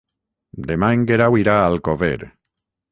Demà en Guerau irà a Alcover.